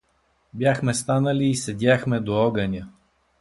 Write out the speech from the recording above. Бяхме станали и седяхме до огъня.